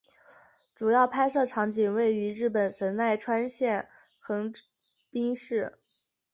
主要拍摄场景位于日本神奈川县横滨市。